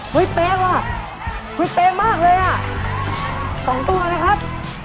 เฮ้ยเปรกอ่ะเฮ้ยเปรกมากเลยอ่ะสองตัวนะครับ